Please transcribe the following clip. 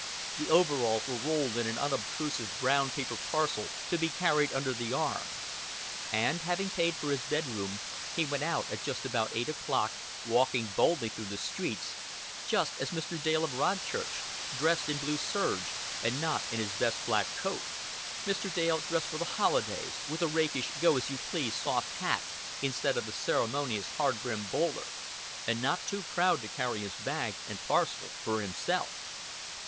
The overalls were rolled in an unobtrusive brown paper parcel to be carried under the arm; and, having paid for his bedroom, he went out at about eight o'clock, walking boldly through the streets just as Mr. Dale of Rodchurch, dressed in blue serge and not in his best black coat Mr. Dale dressed for the holidays, with a rakish go as you please soft hat instead of the ceremonious hard brimmed bowler, and not too proud to carry his bag and parcel for himself.